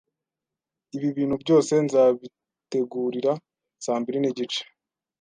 Ibi bintu byose nzabitegurira saa mbiri nigice